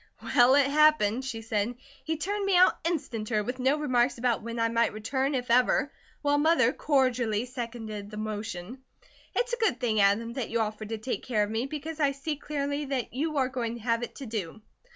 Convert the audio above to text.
"Well, it happened," she said. "He turned me out instanter, with no remarks about when I might return, if ever, while Mother cordially seconded the motion. It's a good thing, Adam, that you offered to take care of me, because I see clearly that you are going to have it to do."